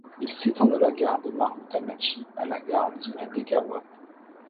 Il s’étend de la gare de Marutamachi à la gare d’Imadegawa.